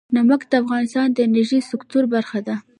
نمک د افغانستان د انرژۍ سکتور برخه ده.